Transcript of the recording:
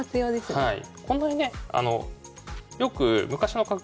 はい。